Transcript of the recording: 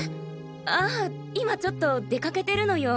ああ今ちょっと出かけてるのよ。